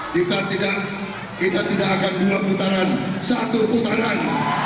kita tidak akan dua putaran satu putaran